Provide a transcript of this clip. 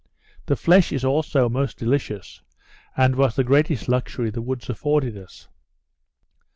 The flesh is also most delicious, and was the greatest luxury the woods afforded us.